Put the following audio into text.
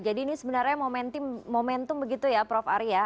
jadi ini sebenarnya momentum begitu ya prof ari ya